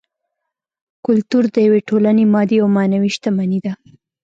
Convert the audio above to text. کولتور د یوې ټولنې مادي او معنوي شتمني ده